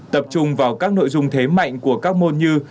tập trung vào các nội dung thế mạnh của các môn như